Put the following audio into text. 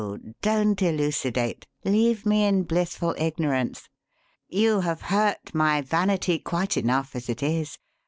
Don't elucidate. Leave me in blissful ignorance. You have hurt my vanity quite enough as it is.